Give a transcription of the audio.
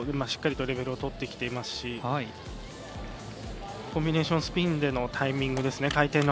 しっかりとレベルをとってきていますしコンビネーションスピンでのタイミングですね。